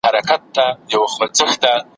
مُلا پاچا دی طالب ښاغلی `